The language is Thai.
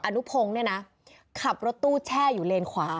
อนุพงขับรถตู้แช่อยู่เลนควา